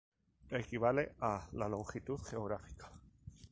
Equivale a la longitud geográfica.